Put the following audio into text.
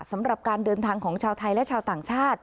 สำหรับการเดินทางของชาวไทยและชาวต่างชาติ